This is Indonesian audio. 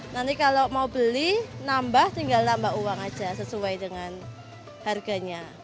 nanti kalau mau beli nambah tinggal nambah uang aja sesuai dengan harganya